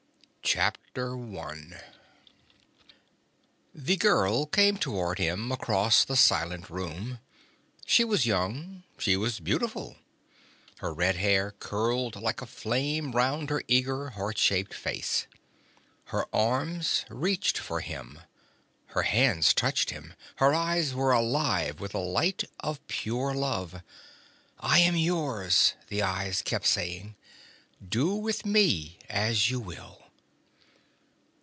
CHAPTER ONE The girl came toward him across the silent room. She was young. She was beautiful. Her red hair curled like a flame round her eager, heart shaped face. Her arms reached for him. Her hands touched him. Her eyes were alive with the light of pure love. I am yours, the eyes kept saying. Do with me as you will.